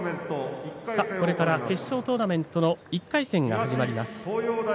これから決勝トーナメントの１回戦が始まります。